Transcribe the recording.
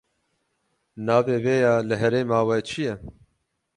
Navê vêya li herêma we çi ye?